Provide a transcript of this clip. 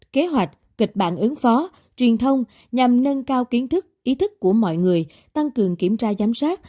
kế hoạch kịch bản ứng phó truyền thông nhằm nâng cao kiến thức ý thức của mọi người tăng cường kiểm tra giám sát